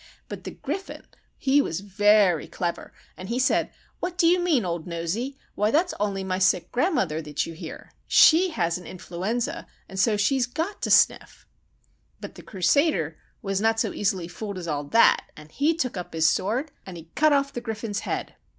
"But the Griffin he was v e r y clever, and he said, 'What do you mean, old nosey? Why, that's only my sick grandmother that you hear. She has an influenza, and so she's got to sniff!' "But the Crusader was not so easily fooled as all that, and he took up his sword, an' he cut off the Griffin's head!